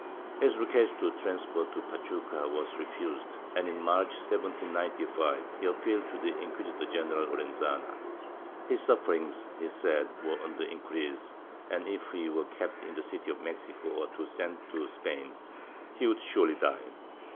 His request to be transferred to Pachuca was refused and, in March, 1795, he appealed to Inquisitor general Lorenzana. His sufferings, he said, were on the increase and, if he were kept in the city of Mexico or sent to Spain, he would surely die.